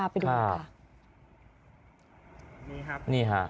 นี่ครับ